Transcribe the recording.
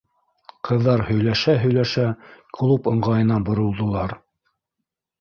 Ҡыҙҙар һөйләшә-һөйләшә клуб ыңғайына боролдолар.